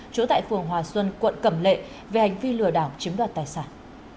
trú tại phường hòa xuân quận cẩm lệ về hành vi lừa đảo chiếm đoạt tài sản